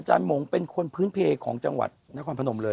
หมงเป็นคนพื้นเพลของจังหวัดนครพนมเลย